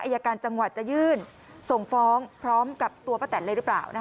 อายการจังหวัดจะยื่นส่งฟ้องพร้อมกับตัวป้าแตนเลยหรือเปล่า